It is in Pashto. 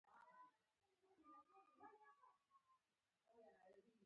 روژه د اجرونو بازار دی.